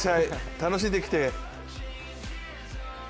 楽しんできて。